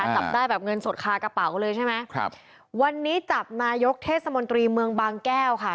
จับได้แบบเงินสดคากระเป๋าเลยใช่ไหมครับวันนี้จับนายกเทศมนตรีเมืองบางแก้วค่ะ